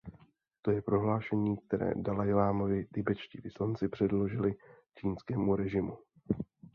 To je prohlášení, které dalajlamovi tibetští vyslanci předložili čínskému režimu.